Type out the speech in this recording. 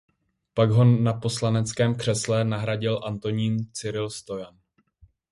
Pak ho na poslaneckém křesle nahradil Antonín Cyril Stojan.